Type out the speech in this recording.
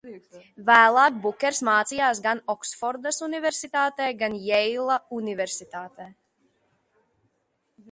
Vēlāk Bukers mācījās gan Oksfordas Universitātē, gan Jeila Universitātē.